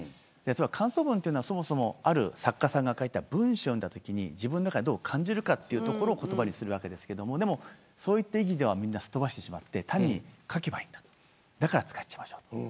感想文というのは、そもそもある作家さんが書いた文章を読んだときに自分の中でどう感じるかを言葉にするわけですけどそういった意義をみんなすっ飛ばして単に書けばいいんだだから使っちゃいましょうと。